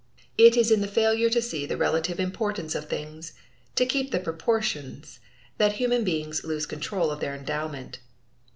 It is in the failure to see the relative importance of things, to keep the proportions, that human beings lose control of their endowment.